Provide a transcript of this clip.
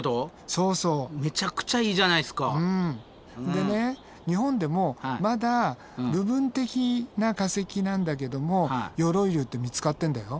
でね日本でもまだ部分的な化石なんだけども鎧竜って見つかってんだよ。